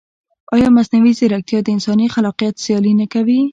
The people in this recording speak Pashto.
ایا مصنوعي ځیرکتیا د انساني خلاقیت سیالي نه کوي؟